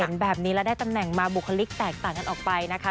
เห็นแบบนี้แล้วได้ตำแหน่งมาบุคลิกแตกต่างกันออกไปนะคะ